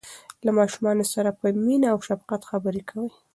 له ماشومانو سره په مینه او شفقت خبرې کوئ.